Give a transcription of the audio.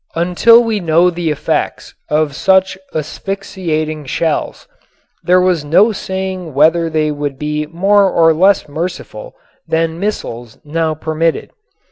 Until we know the effects of such asphyxiating shells, there was no saying whether they would be more or less merciful than missiles now permitted.